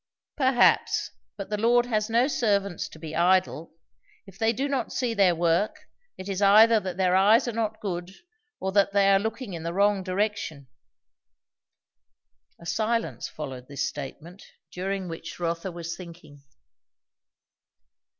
"Perhaps. But the Lord has no servants to be idle. If they do not see their work, it is either that their eyes are not good, or that they are looking in the wrong direction." A silence followed this statement, during which Rotha was thinking.